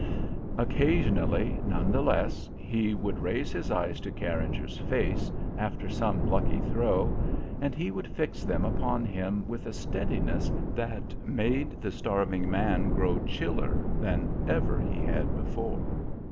Occasionally, none the less, he would raise his eyes to Carringer's face after some lucky throw, and he would fix them upon him with a steadiness that made the starving man grow chiller than ever he had been before.